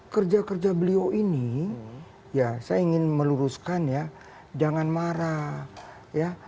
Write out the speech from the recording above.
kerja kerja beliau ini ya saya ingin meluruskan ya jangan marah ya